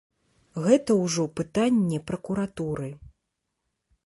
Гэта ўжо пытанне пракуратуры.